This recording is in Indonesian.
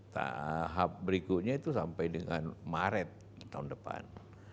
tahap berikutnya itu sampai dengan maret tahun depan